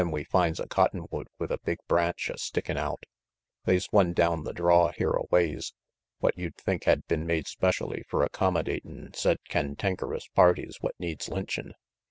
Then we finds a cottonwood with a big branch a stickin' out. They's one down the draw here a ways what you'd think had been made spechully fer aceommodatin' said cantankerus parties what needs lynchin'.